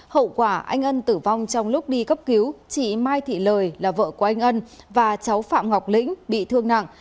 hậu quả anh ân tử vong trong lúc đi cấp cứu chị mai thị lời là vợ của anh ân và cháu phạm ngọc lĩnh bị thương nặng